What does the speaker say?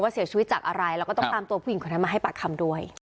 เสียชีวิตจากอะไรแล้วก็ต้องตามตัวผู้หญิงคนนั้นมาให้ปากคำด้วย